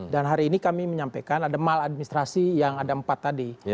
dan hari ini kami menyampaikan ada mal administrasi yang ada empat tadi